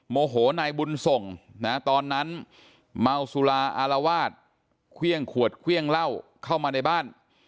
โมโหนายบุญส่งนะตอนนั้นเมาสุราอารวาสเครื่องขวดเครื่องเหล้าเข้ามาในบ้าน